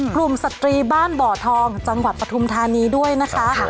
สตรีบ้านบ่อทองจังหวัดปฐุมธานีด้วยนะคะ